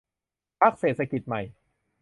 พรรคเศรษฐกิจใหม่